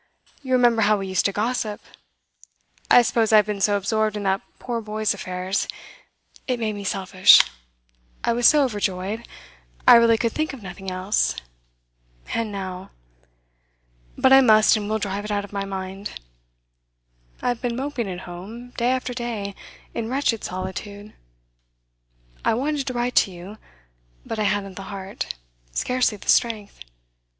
You remember how we used to gossip. I suppose I have been so absorbed in that poor boy's affairs; it made me selfish I was so overjoyed, I really could think of nothing else. And now ! But I must and will drive it out of my mind. I have been moping at home, day after day, in wretched solitude. I wanted to write to you, but I hadn't the heart scarcely the strength.